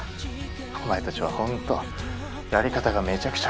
お前たちはほんとやり方がめちゃくちゃ。